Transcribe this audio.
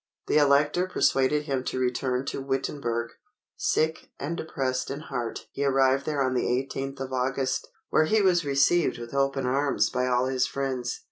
The Elector persuaded him to return to Wittenberg. Sick and depressed in heart he arrived there on the 18th of August, where he was received with open arms by all his friends.